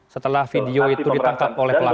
setelah video itu ditangkap oleh pelaku